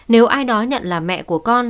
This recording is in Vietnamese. nếu ai đó nhận là mẹ của con